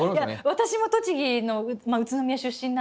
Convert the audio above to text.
私も栃木の宇都宮出身なんで。